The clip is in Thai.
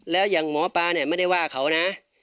แล้วอย่างหมอปลาเนี่ยไม่ได้ว่าเขานะ